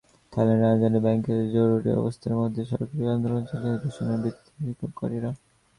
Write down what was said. থাইল্যান্ডের রাজধানী ব্যাংককে জরুরি অবস্থার মধ্যেই সরকারবিরোধী আন্দোলন চালিয়ে যাওয়ার ঘোষণা দিয়েছেন বিক্ষোভকারীরা।